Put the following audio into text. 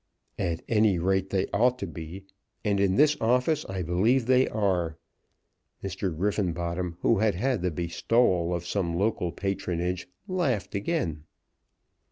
"At any rate, they ought to be, and in this office I believe they are." Mr. Griffenbottom, who had had the bestowal of some local patronage, laughed again.